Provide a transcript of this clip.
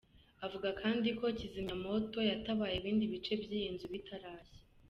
Avuga kandi ko kizimyamoto yatabaye ibindi bice by’iyi nzu bitarashya.